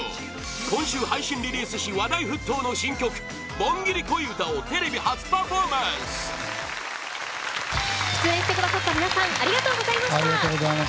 今週、配信リリースし話題沸騰の新曲「盆ギリ恋歌」をテレビ初パフォーマンス出演してくださった皆さんありがとうございました。